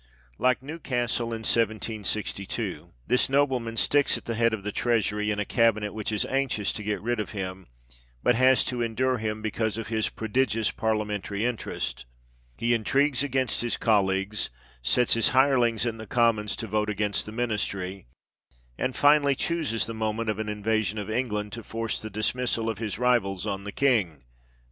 Like Newcastle in 1762, this nobleman sticks at the head of the Treasury, in a cabinet which is anxious to get rid of him, but has to endure him, because of his "prodigious parliamentary interest." He intrigues against his colleagues, sets his hirelings in the Commons to vote against the ministry, and finally chooses the moment of an invasion of England to force the dismissal of his rivals on the king (p.